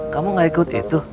kamu gak ikut itu